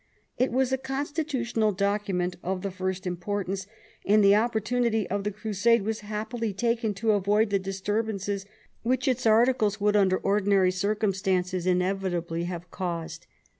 It was a constitutional document of the first importance, and the opportunity of the crusade was happily taken to avoid the disturbances which its articles would under ordinary circumstances inevitably have caused.